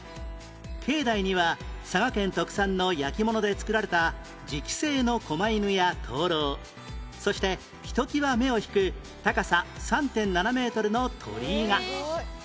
境内には佐賀県特産の焼き物で作られた磁器製の狛犬や灯籠そしてひときわ目を引く高さ ３．７ メートルの鳥居が